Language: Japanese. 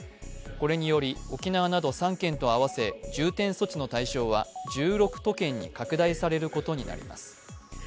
これにより、沖縄など３県と合わせ重点措置の対象は１６都県に拡大されることになります。